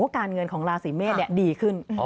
การเงินของราศีเมษดีขึ้น